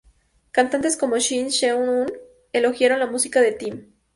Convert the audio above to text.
Cantantes como Shin Seung Hun elogiaron la música de Tim.